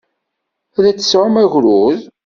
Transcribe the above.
Ad d-tesɛum agrud.